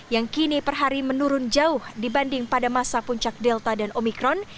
yang kini per hari menurun jauh dibanding pada masa puncak delta dan omikron